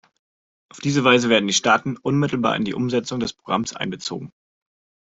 Auf diese Weise werden die Staaten unmittelbar in die Umsetzung des Programms einbezogen.